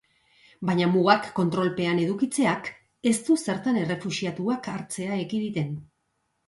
Baina mugak kontrolpean edukitzeak ez du zertan errefuxiatuak hartzea ekiditen.